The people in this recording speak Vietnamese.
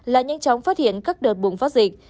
là nhanh chóng phát hiện các đợt bùng phát dịch